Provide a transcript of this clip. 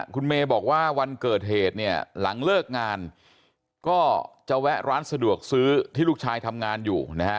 คุณเมย์บอกว่าวันเกิดเหตุเนี่ยหลังเลิกงานก็จะแวะร้านสะดวกซื้อที่ลูกชายทำงานอยู่นะฮะ